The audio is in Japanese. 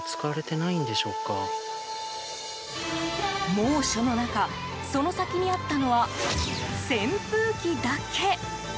猛暑の中、その先にあったのは扇風機だけ。